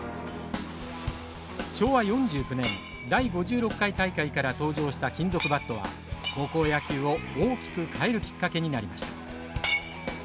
昭和４９年第５６回大会から登場した金属バットは高校野球を大きく変えるきっかけになりました。